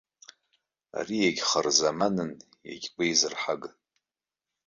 Ари иагьхырзаманын, иагьгәеизырҳаган.